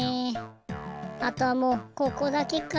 あとはもうここだけか。